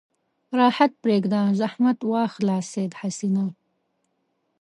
راحت پرېږده زحمت واخله سید حسنه.